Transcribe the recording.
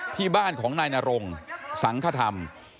ที่บ้านของนายนรงสังคธรรม